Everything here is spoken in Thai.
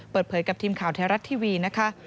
เปิดเผยกับทีมข่าวไทยรัฐทีวีนะคะ